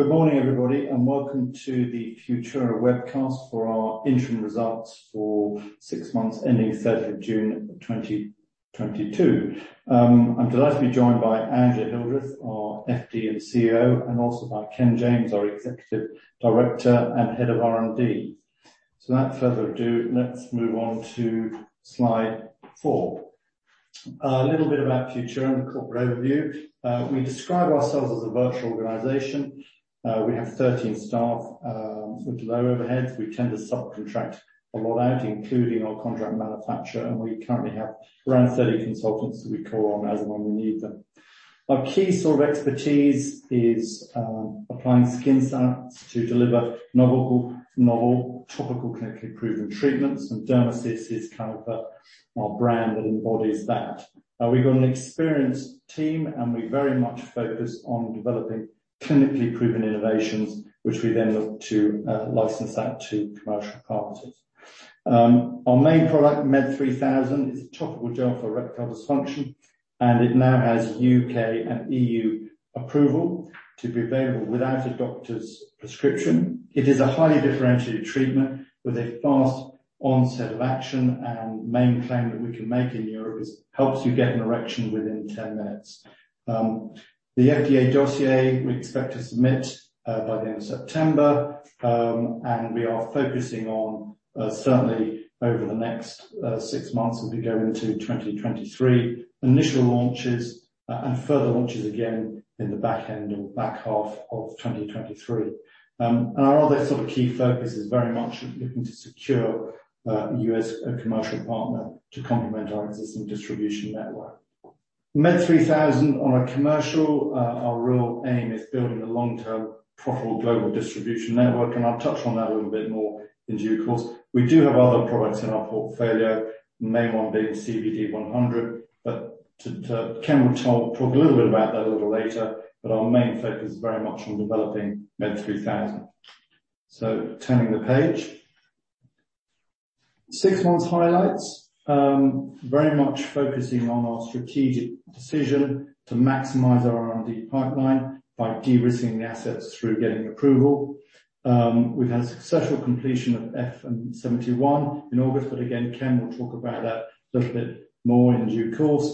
Well, good morning, everybody, and welcome to the Futura Webcast for our Interim Results for Six-Months Ending 3rd of June 2022. I'm delighted to be joined by Angela Hildreth, our FD and COO, and also by Ken James, our Executive Director and Head of R&D. Without further ado, let's move on to slide four. A little bit about Futura and the corporate overview. We describe ourselves as a virtual organization. We have 13 staff with low overheads. We tend to subcontract a lot out, including our contract manufacturer, and we currently have around 30 consultants that we call on as and when we need them. Our key sort of expertise is applying skin science to deliver novel topical clinically proven treatments, and DermaSys is kind of our brand that embodies that. We've got an experienced team, and we very much focus on developing clinically proven innovations, which we then look to license that to commercial partners. Our main product, MED3000, is a topical gel for erectile dysfunction, and it now has U.K. and EU approval to be available without a doctor's prescription. It is a highly differentiated treatment with a fast onset of action. Main claim that we can make in Europe is helps you get an erection within 10 minutes. The FDA dossier we expect to submit by the end of September. We are focusing on certainly over the next six months as we go into 2023, initial launches, and further launches again in the back end or back half of 2023. Our other sort of key focus is very much looking to secure U.S. commercial partner to complement our existing distribution network. MED3000 on a commercial, our real aim is building a long-term profitable global distribution network, and I'll touch on that a little bit more in due course. We do have other products in our portfolio, the main one being CBD100, but Ken will talk a little bit about that a little later, but our main focus is very much on developing MED3000. Turning the page. Six months highlights. Very much focusing on our strategic decision to maximize our R&D pipeline by de-risking the assets through getting approval. We've had successful completion of FM71 in August, but again, Ken will talk about that a little bit more in due course.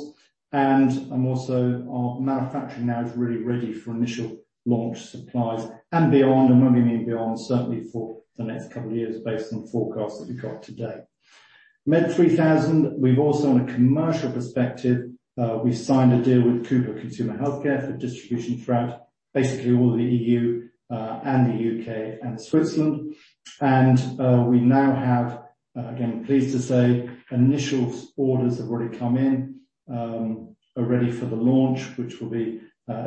Also our manufacturing now is really ready for initial launch supplies and beyond. When we mean beyond, certainly for the next couple of years based on forecasts that we've got today. MED3000, we've also on a commercial perspective, we signed a deal with Cooper Consumer Health for distribution throughout basically all the EU, and the U.K. and Switzerland. We now have, again, I'm pleased to say initial orders have already come in, are ready for the launch, which will be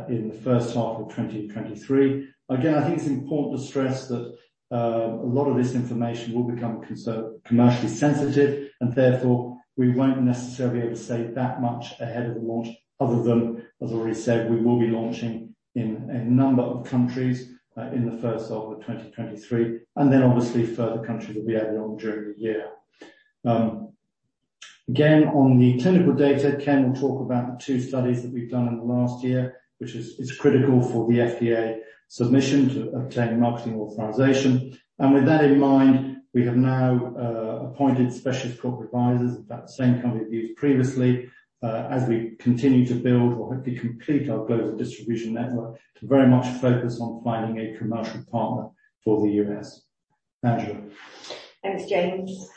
in the first half of 2023. I think it's important to stress that a lot of this information will become commercially sensitive, and therefore we won't necessarily be able to say that much ahead of the launch other than, as already said, we will be launching in a number of countries in the first half of 2023, and then obviously further countries will be added on during the year. Again, on the clinical data, Ken will talk about the two studies that we've done in the last year, which is critical for the FDA submission to obtain a marketing authorization. With that in mind, we have now appointed specialist corporate advisors, in fact, the same company we've used previously, as we continue to build or hopefully complete our global distribution network to very much focus on finding a commercial partner for the U.S. Angela. Thanks, James.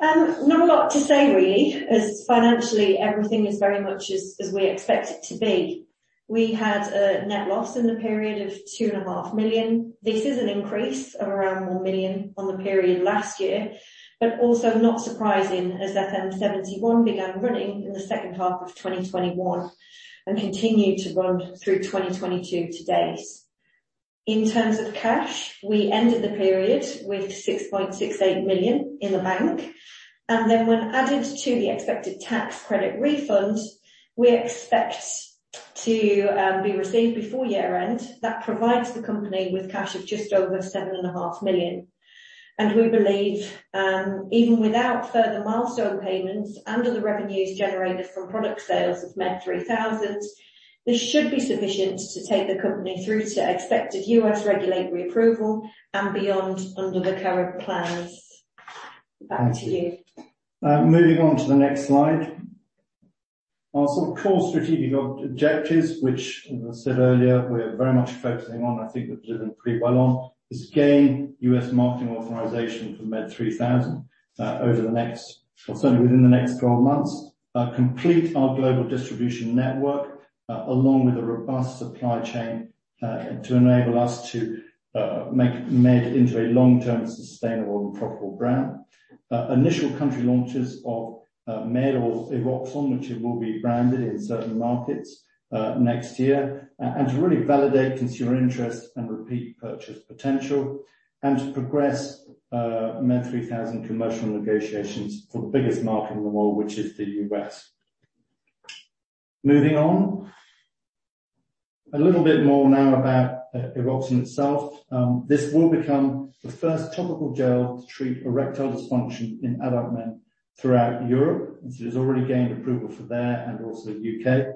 Not a lot to say really, as financially everything is very much as we expect it to be. We had a net loss in the period of 2.5 Million. This is an increase of around 1 million on the period last year, but also not surprising as FM71 began running in the second half of 2021 and continued to run through 2022 to date. In terms of cash, we ended the period with 6.68 million in the bank. When added to the expected tax credit refunds we expect to be received before year-end, that provides the company with cash of just over 7.5 Million. We believe, even without further milestone payments under the revenues generated from product sales of MED3000, this should be sufficient to take the company through to expected US regulatory approval and beyond under the current plans. Back to you. Thank you. Moving on to the next slide. Our sort of core strategic objectives, which as I said earlier, we're very much focusing on, I think we're delivering pretty well on, is gain U.S. marketing authorization for MED3000, over the next or certainly within the next 12 months. Complete our global distribution network, along with a robust supply chain, to enable us to, make MED into a long-term sustainable and profitable brand. Initial country launches of, MED or Eroxon, which it will be branded in certain markets, next year, and to really validate consumer interest and repeat purchase potential and to progress, MED3000 commercial negotiations for the biggest market in the world, which is the U.S. Moving on. A little bit more now about, Eroxon itself. This will become the first topical gel to treat erectile dysfunction in adult men throughout Europe. It has already gained approval for the EU and also U.K.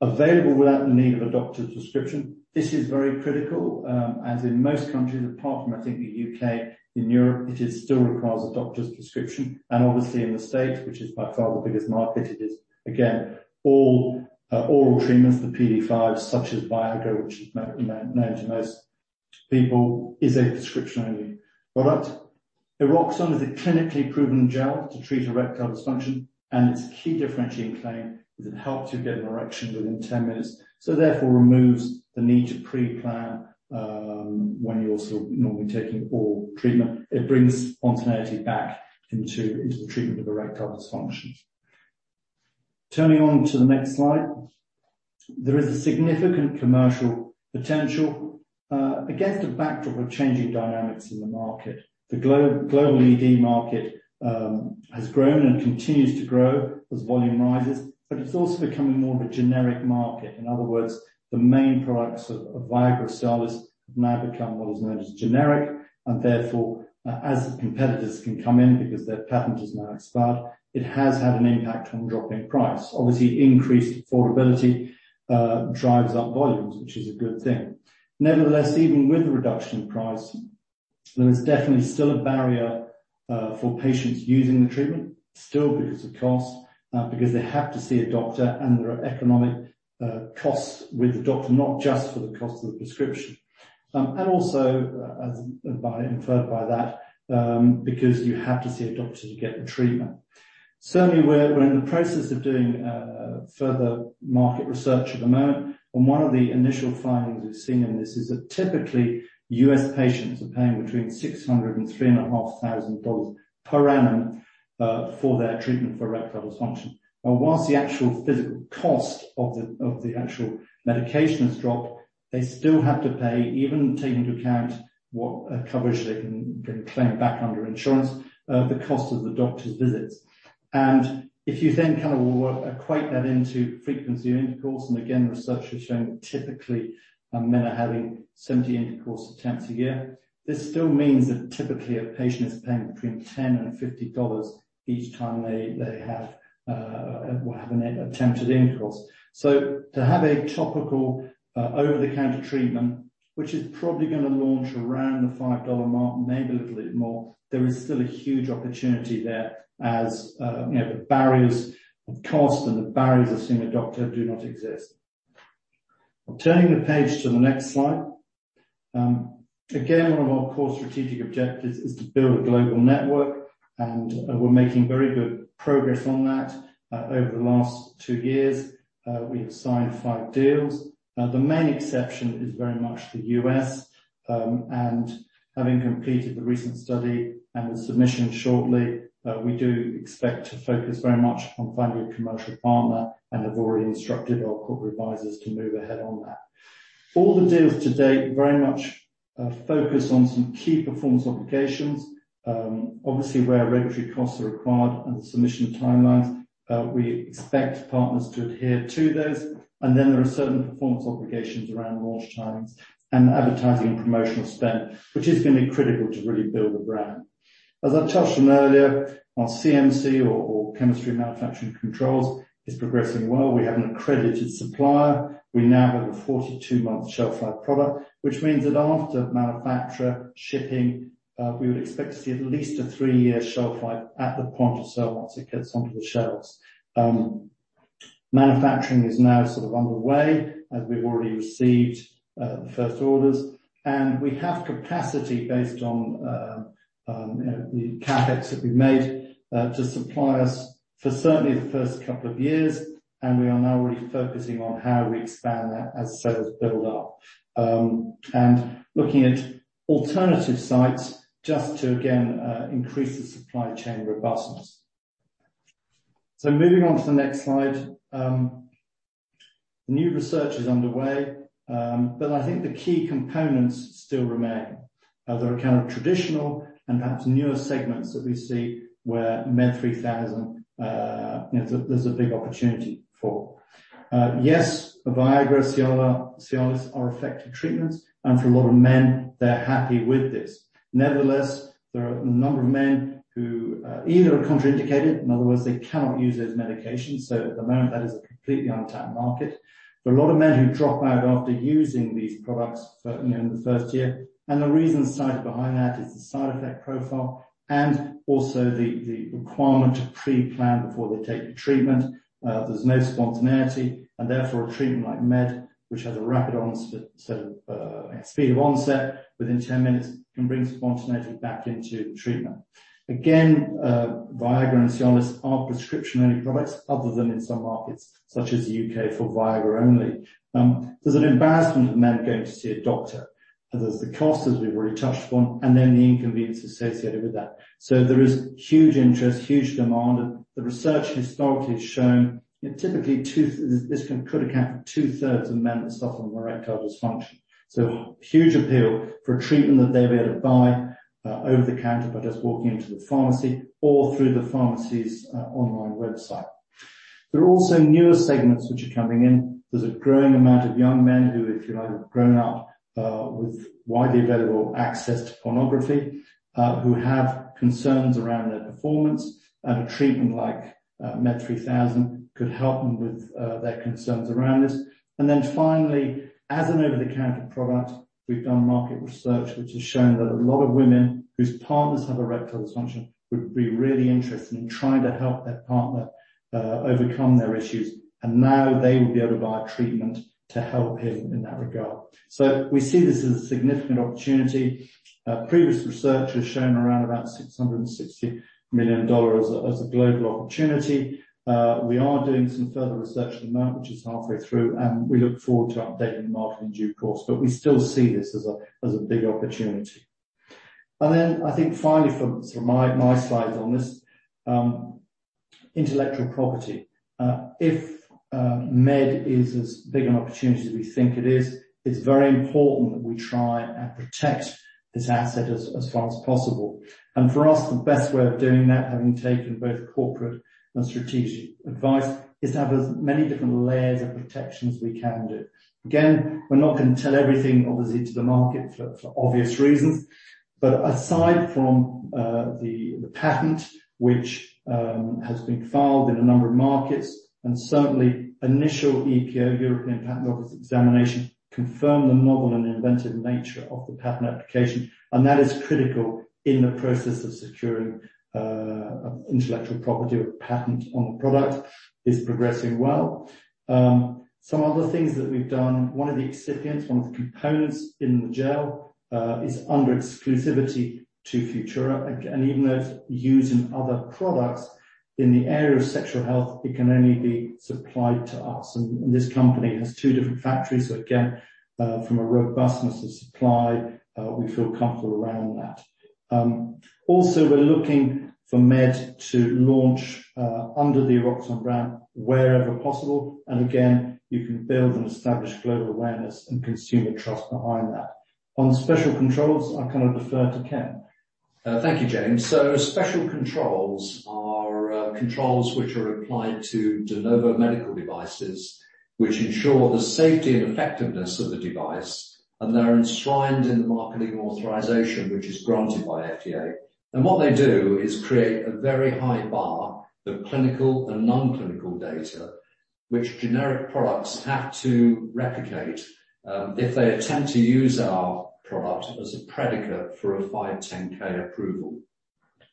Available without the need of a doctor's prescription. This is very critical, as in most countries, apart from I think the U.K. and Europe, it is still requires a doctor's prescription and obviously in the States, which is by far the biggest market it is. Again, all oral treatments for PDE5, such as Viagra, which is known to most people, is a prescription-only product. Eroxon is a clinically proven gel to treat erectile dysfunction, and its key differentiating claim is it helps you get an erection within 10 minutes, so therefore removes the need to pre-plan, when you're sort of normally taking an oral treatment. It brings spontaneity back into the treatment of erectile dysfunctions. Turning on to the next slide. There is a significant commercial potential. Against a backdrop of changing dynamics in the market. The global ED market has grown and continues to grow as volume rises, but it's also becoming more of a generic market. In other words, the main products of Viagra, Cialis have now become what is known as generic and therefore as competitors can come in because their patent has now expired, it has had an impact on dropping price. Obviously, increased affordability drives up volumes, which is a good thing. Nevertheless, even with the reduction in price, there is definitely still a barrier for patients using the treatment, still because of cost, because they have to see a doctor and there are economic costs with the doctor, not just for the cost of the prescription. As inferred by that, because you have to see a doctor to get the treatment. Certainly, we're in the process of doing further market research at the moment. One of the initial findings we've seen in this is that typically U.S. patients are paying between $600-$3,500 per annum for their treatment for Erectile Dysfunction. Now, while the actual physical cost of the actual medication has dropped, they still have to pay, even taking into account what coverage they can claim back under insurance, the cost of the doctor's visits. If you then kind of equate that into frequency of intercourse, and again, research has shown that typically, men are having 70 intercourse attempts a year. This still means that typically a patient is paying between $10 and $50 each time they have attempted intercourse. To have a topical, over-the-counter treatment, which is probably gonna launch around the $5 mark, maybe a little bit more, there is still a huge opportunity there as, you know, the barriers of cost and the barriers of seeing a doctor do not exist. Turning the page to the next slide. Again, one of our core strategic objectives is to build a global network, and, we're making very good progress on that. Over the last two-years, we have signed five deals. The main exception is very much the U.S. Having completed the recent study and the submission shortly, we do expect to focus very much on finding a commercial partner and have already instructed our corporate advisors to move ahead on that. All the deals to date very much focus on some key performance obligations. Obviously, where regulatory costs are required and the submission timelines, we expect partners to adhere to those. There are certain performance obligations around launch timings and advertising and promotional spend, which is going to be critical to really build the brand. As I touched on earlier, our CMC or Chemistry, Manufacturing and Controls is progressing well. We have an accredited supplier. We now have a 42-month shelf life product, which means that after manufacturing, shipping, we would expect to see at least a three-year shelf life at the point of sale once it gets onto the shelves. Manufacturing is now sort of underway, and we've already received the first orders. We have capacity based on, you know, the CapEx that we made to supply us for certainly the first couple of years, and we are now already focusing on how we expand that as sales build up, looking at alternative sites just to again increase the supply chain robustness. Moving on to the next slide. New research is underway, but I think the key components still remain. There are kind of traditional and perhaps newer segments that we see where MED3000, you know, there's a big opportunity for. Yes, Viagra, Cialis are effective treatments and for a lot of men, they're happy with this. Nevertheless, there are a number of men who either are contraindicated, in other words, they cannot use those medications, so at the moment, that is a completely untapped market. There are a lot of men who drop out after using these products for, you know, in the first year. The reason cited behind that is the side effect profile and also the requirement to pre-plan before they take the treatment. There's no spontaneity, and therefore a treatment like MED, which has a rapid onset, speed of onset within 10 minutes, can bring spontaneity back into the treatment. Again, Viagra and Cialis are prescription-only products other than in some markets, such as the U.K. for Viagra only. There's an embarrassment of men going to see a doctor. There's the cost, as we've already touched on, and then the inconvenience associated with that. There is huge interest, huge demand. The research historically has shown that typically this could account for two-thirds of men that suffer from erectile dysfunction. Huge appeal for a treatment that they'll be able to buy over the counter by just walking into the pharmacy or through the pharmacy's online website. There are also newer segments which are coming in. There's a growing amount of young men who, if you like, have grown up with widely available access to pornography, who have concerns around their performance and a treatment like MED3000 could help them with their concerns around this. Then finally, as an over-the-counter product, we've done market research which has shown that a lot of women whose partners have erectile dysfunction would be really interested in trying to help their partner overcome their issues. Now they will be able to buy a treatment to help him in that regard. We see this as a significant opportunity. Previous research has shown around about $660 million as a global opportunity. We are doing some further research at the moment, which is halfway through, and we look forward to updating the market in due course, but we still see this as a big opportunity. Then I think finally from my slides on this, intellectual property. If MED is as big an opportunity as we think it is, it's very important that we try and protect this asset as far as possible. For us, the best way of doing that, having taken both corporate and strategic advice, is to have as many different layers of protection as we can do. We're not gonna tell everything obviously to the market for obvious reasons. Aside from the patent which has been filed in a number of markets, and certainly initial EPO, European Patent Office examination confirmed the novel and inventive nature of the patent application, and that is critical in the process of securing intellectual property or patent on the product, is progressing well. Some other things that we've done, one of the excipients, one of the components in the gel, is under exclusivity to Futura. Even though it's used in other products in the area of sexual health, it can only be supplied to us. This company has two different factories. Again, from a robustness of supply, we feel comfortable around that. Also we're looking for MED to launch under the Eroxon brand wherever possible. Again, you can build and establish global awareness and consumer trust behind that. On special controls, I'll kind of defer to Ken. Thank you, James. Special controls are controls which are applied to De Novo medical devices, which ensure the safety and effectiveness of the device, and they're enshrined in the marketing authorization, which is granted by FDA. What they do is create a very high bar of clinical and non-clinical data which generic products have to replicate if they attempt to use our product as a predicate for a 510(k) approval.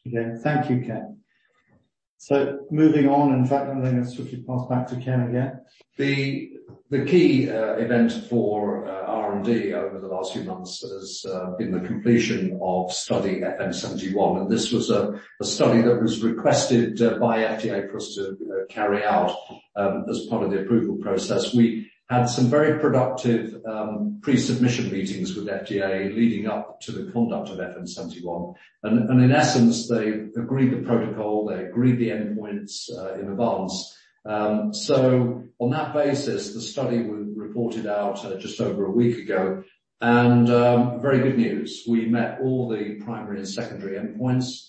Okay, thank you, Ken. Moving on, in fact, I'm going to switch and pass back to Ken again. The key event for R&D over the last few months has been the completion of study FM71, and this was a study that was requested by FDA for us to, you know, carry out as part of the approval process. We had some very productive pre-submission meetings with FDA leading up to the conduct of FM71. In essence, they agreed the protocol, they agreed the endpoints in advance. On that basis, the study was reported out just over a week ago. Very good news. We met all the primary and secondary endpoints.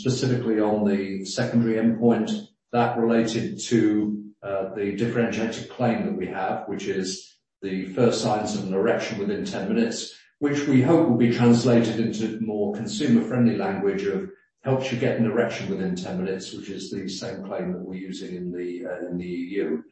Specifically on the secondary endpoint that related to the differentiated claim that we have, which is the first signs of an erection within 10 minutes, which we hope will be translated into more consumer-friendly language of helps you get an erection within 10 minutes, which is the same claim that we're using in the EU.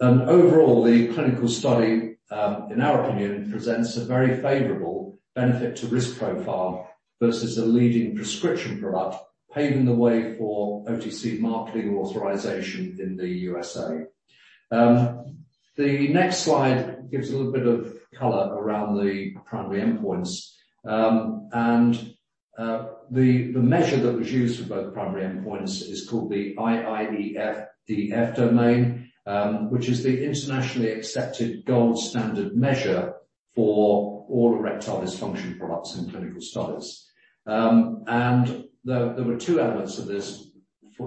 Overall the clinical study, in our opinion, presents a very favorable benefit to risk profile versus a leading prescription product, paving the way for OTC marketing authorization in the U.S.A.. The next slide gives a little bit of color around the primary endpoints. The measure that was used for both primary endpoints is called the IIEF EF domain, which is the internationally accepted gold standard measure for all erectile dysfunction products in clinical studies. There were two elements of this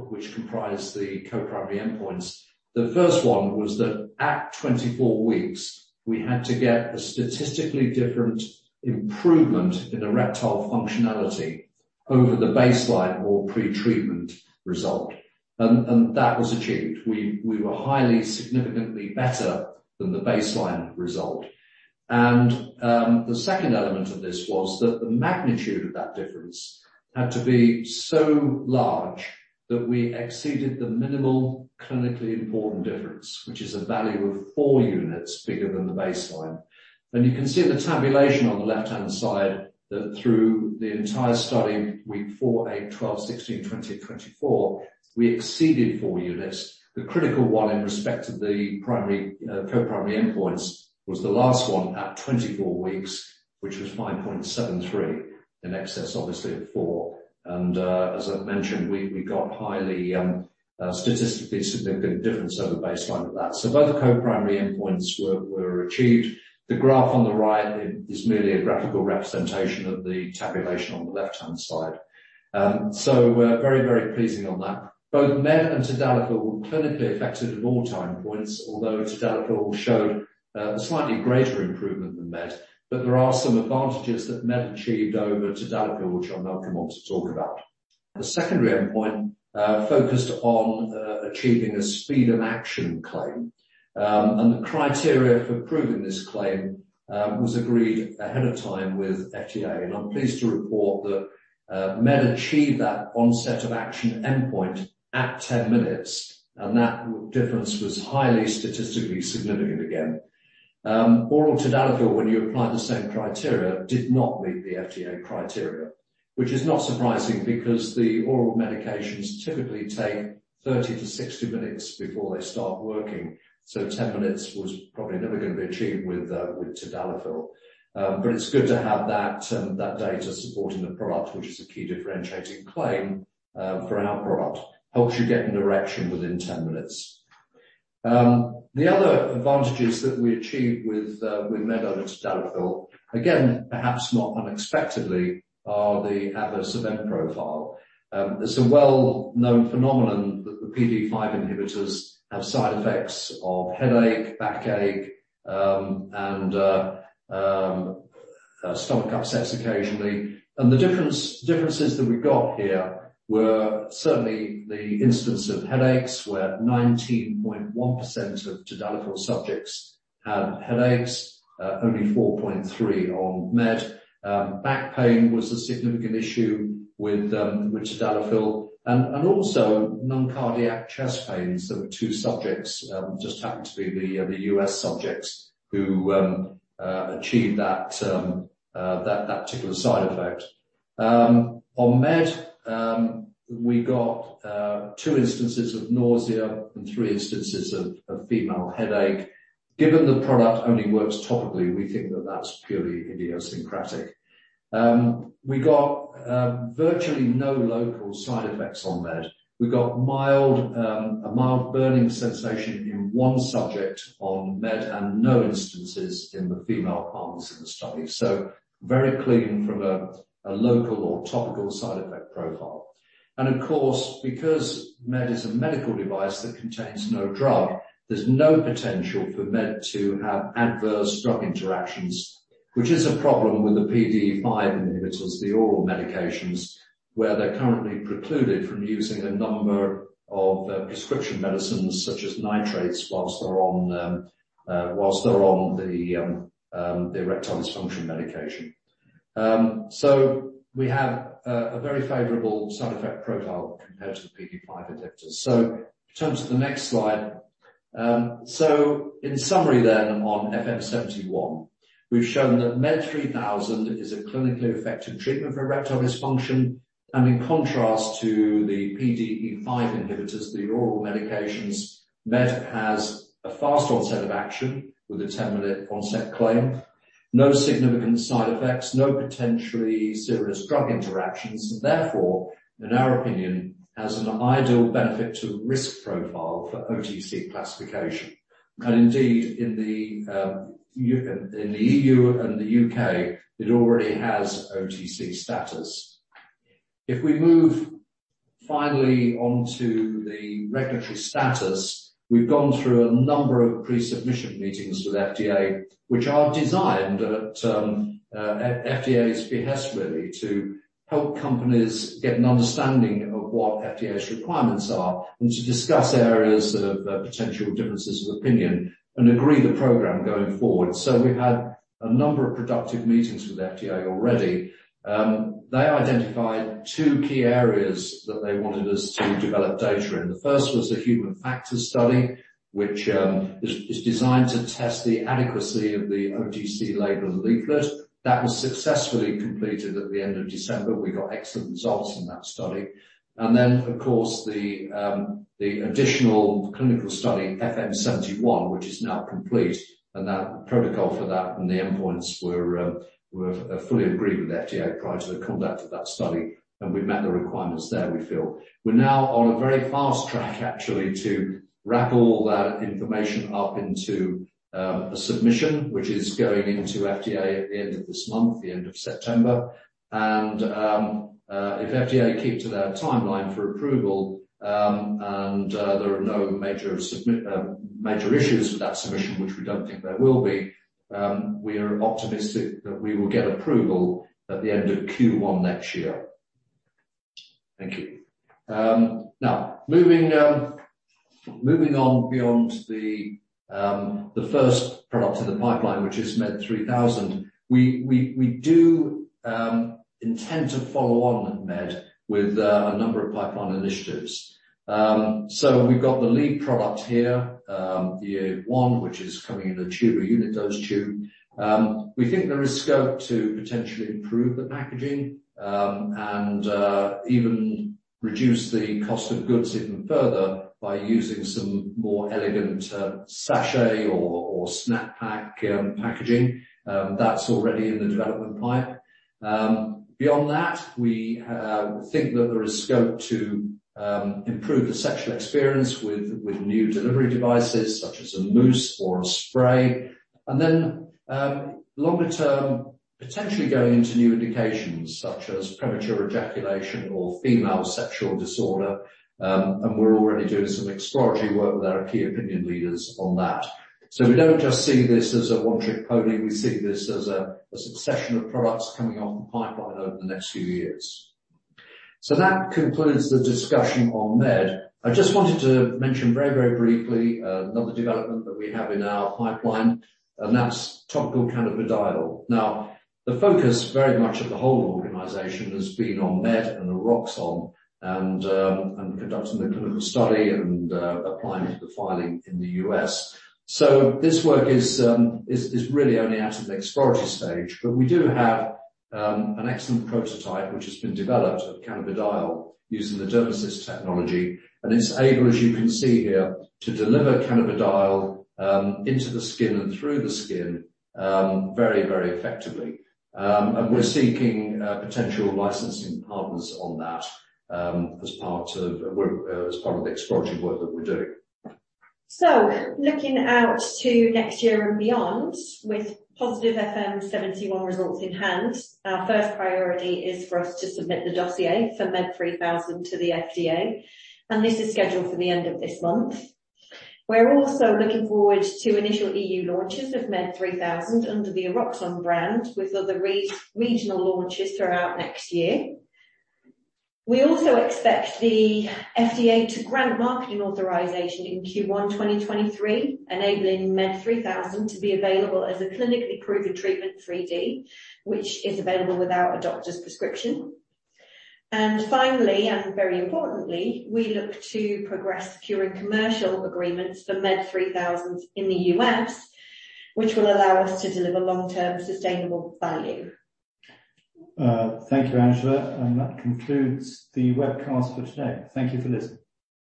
which comprised the co-primary endpoints. The first one was that at 24 weeks we had to get a statistically different improvement in erectile functionality over the baseline or pre-treatment result. That was achieved. We were highly significantly better than the baseline result. The second element of this was that the magnitude of that difference had to be so large that we exceeded the minimal clinically important difference, which is a value of four units bigger than the baseline. You can see the tabulation on the left-hand side, that through the entire study, week four, eight, 12, 16, 20, 24, we exceeded four units. The critical one in respect of the primary, co-primary endpoints was the last one at 24 weeks, which was 5.73, in excess obviously of four. As I've mentioned, we got highly statistically significant difference over baseline at that. Both co-primary endpoints were achieved. The graph on the right is merely a graphical representation of the tabulation on the left-hand side. We're very pleased on that. Both MED and tadalafil were clinically effective at all time points, although tadalafil showed a slightly greater improvement than MED. There are some advantages that MED achieved over tadalafil which I'll now come on to talk about. The secondary endpoint focused on achieving a speed of action claim. The criteria for proving this claim was agreed ahead of time with FDA, and I'm pleased to report that MED achieved that onset of action endpoint at 10 minutes, and that difference was highly statistically significant again. Oral tadalafil, when you apply the same criteria, did not meet the FDA criteria, which is not surprising because the oral medications typically take 30-60 minutes before they start working. Ten minutes was probably never gonna be achieved with tadalafil. It's good to have that data supporting the product, which is a key differentiating claim for our product. Helps you get an erection within 10 minutes. The other advantages that we achieved with MED over tadalafil, again, perhaps not unexpectedly, are the adverse event profile. It's a well-known phenomenon that the PDE5 inhibitors have side effects of headache, backache, and stomach upsets occasionally. The differences that we got here were certainly the instance of headaches where 19.1% of tadalafil subjects had headaches, only 4.3% on MED. Back pain was a significant issue with tadalafil and also non-cardiac chest pains. There were two subjects, just happened to be the U.S. subjects who achieved that particular side effect. On MED, we got two instances of nausea and three instances of female headache. Given the product only works topically, we think that that's purely idiosyncratic. We got virtually no local side effects on MED. We got a mild burning sensation in one subject on MED and no instances in the female arms in the study. Very clean from a local or topical side effect profile. Of course, because MED is a medical device that contains no drug, there's no potential for MED to have adverse drug interactions, which is a problem with the PDE5 inhibitors, the oral medications, where they're currently precluded from using a number of prescription medicines such as nitrates while they're on the erectile dysfunction medication. We have a very favorable side effect profile compared to the PDE5 inhibitors. Turn to the next slide. In summary on FM71, we've shown that MED3000 is a clinically effective treatment for erectile dysfunction. In contrast to the PDE5 inhibitors, the oral medications, MED has a fast onset of action with a 10-minute onset claim. No significant side effects, no potentially serious drug interactions. Therefore, in our opinion, has an ideal benefit to risk profile for OTC classification. In the EU and the U.K., it already has OTC status. If we move finally on to the regulatory status, we've gone through a number of pre-submission meetings with FDA which are designed at FDA's behest really to help companies get an understanding of what FDA's requirements are and to discuss areas of potential differences of opinion and agree the program going forward. We had a number of productive meetings with FDA already. They identified two key areas that they wanted us to develop data in. The first was a human factors study, which is designed to test the adequacy of the OTC label leaflet. That was successfully completed at the end of December. We got excellent results in that study. Of course, the additional clinical study, FM71, which is now complete, that protocol for that and the endpoints were fully agreed with the FDA prior to the conduct of that study, and we met the requirements there, we feel. We're now on a very fast track, actually, to wrap all that information up into a submission, which is going into FDA at the end of this month, the end of September. If FDA keep to their timeline for approval, and there are no major issues with that submission, which we don't think there will be, we are optimistic that we will get approval at the end of Q1 next year. Thank you. Now, moving on beyond the first product in the pipeline, which is MED3000, we do intend to follow on MED with a number of pipeline initiatives. We've got the lead product here, the one which is coming in a tube, a unit dose tube. We think there is scope to potentially improve the packaging and even reduce the cost of goods even further by using some more elegant sachet or snap-pack packaging that's already in the development pipeline. Beyond that, we think that there is scope to improve the sexual experience with new delivery devices such as a mousse or a spray. Longer-term, potentially going into new indications such as premature ejaculation or female sexual disorder. We're already doing some exploratory work with our key opinion leaders on that. We don't just see this as a one-trick pony, we see this as a succession of products coming off the pipeline over the next few years. That concludes the discussion on MED. I just wanted to mention very, very briefly another development that we have in our pipeline, and that's topical cannabidiol. Now, the focus very much of the whole organization has been on MED and the Eroxon and conducting the clinical study and applying to the filing in the U.S.. This work is really only out of the exploratory stage. We do have an excellent prototype which has been developed of cannabidiol using the DermaSys technology, and it's able, as you can see here, to deliver cannabidiol into the skin and through the skin very, very effectively. We're seeking potential licensing partners on that as part of the exploratory work that we're doing. Looking out to next year and beyond, with positive FM71 results in hand, our first priority is for us to submit the dossier for MED3000 to the FDA, and this is scheduled for the end of this month. We're also looking forward to initial EU launches of MED3000 under the Eroxon brand, with other regional launches throughout next year. We also expect the FDA to grant marketing authorization in Q1 2023, enabling MED3000 to be available as a clinically proven treatment for ED, which is available without a doctor's prescription. Finally, and very importantly, we look to progress securing commercial agreements for MED3000 in the U.S., which will allow us to deliver long-term sustainable value. Thank you, Angela. That concludes the webcast for today. Thank you for listening.